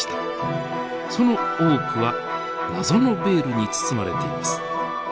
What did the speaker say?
その多くは謎のベールに包まれています。